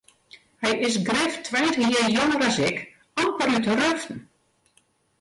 Hy is grif tweintich jier jonger as ik, amper út de ruften.